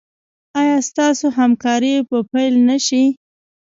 ایا ستاسو همکاري به پیل نه شي؟